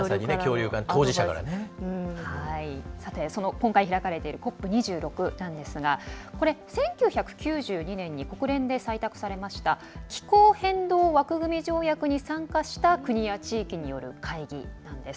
今回開かれているＣＯＰ２６なんですがこれは１９９２年に国連で採択されました気候変動枠組条約に参加した国や地域による会議なんです。